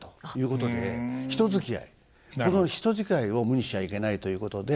この人づきあいを無にしちゃいけないということでどこへでも。